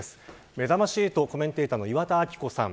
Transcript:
めざまし８コメンテーターの岩田明子さん。